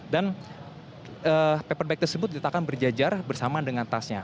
dan paperback tersebut diletakkan berjajar bersama dengan tasnya